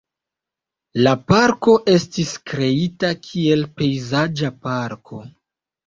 La parko estis kreita kiel pejzaĝa parko.